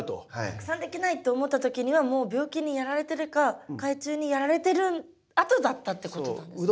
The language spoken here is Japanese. たくさんできないって思った時にはもう病気にやられてるか害虫にやられてるあとだったってことなんですね。